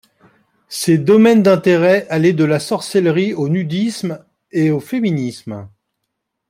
Ses domaines d'intérêt allaient de la sorcellerie au nudisme et au féminisme.